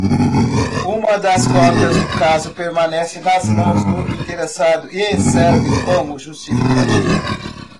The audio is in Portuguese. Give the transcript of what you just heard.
Uma das cópias do caso permanece nas mãos do interessado e serve como justificativa.